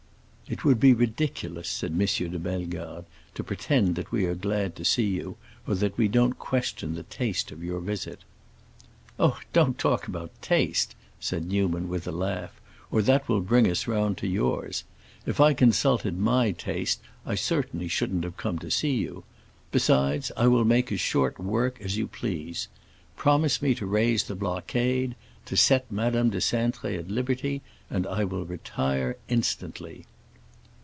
"It would be ridiculous," said M. de Bellegarde, "to pretend that we are glad to see you or that we don't question the taste of your visit." "Oh, don't talk about taste," said Newman, with a laugh, "or that will bring us round to yours! If I consulted my taste I certainly shouldn't come to see you. Besides, I will make as short work as you please. Promise me to raise the blockade—to set Madame de Cintré at liberty—and I will retire instantly."